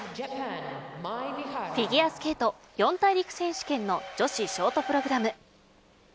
フィギュアスケート四大陸選手権の女子ショートプログラム。